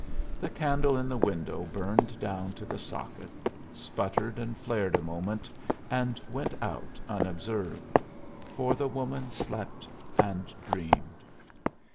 The candle in the window burned down to the socket, sputtered and flared a moment and went out unobserved; for the woman slept and dreamed.